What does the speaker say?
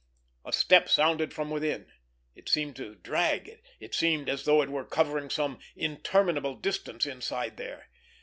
A step sounded from within. It seemed to drag. It seemed as though it were covering some interminable distance inside there.